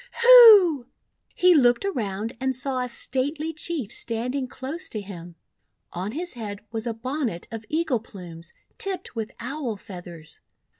Hu!" He looked around and saw a stately Chief standing close to him. On his head was a bon net of eagle plumes tipped with Owl Feathers.